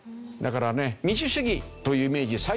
だからね民主主義というイメージ